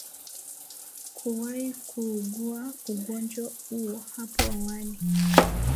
kuwahi kuugua ugonjwa huo hapo awali